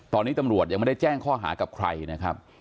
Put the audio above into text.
ตอนนี้ตำรวจยังไม่ได้แจ้งข้อหากับใครนะครับ